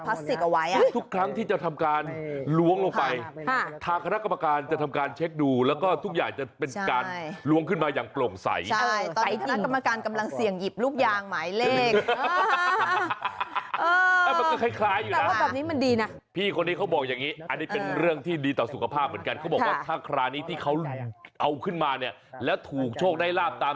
ปรากฏว่าคราวนั้นเขาได้โชคแบบเต็ม